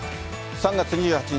３月２８日